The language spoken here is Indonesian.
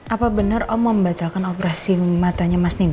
apa bener om membatalkan operasi mematahnya mas nino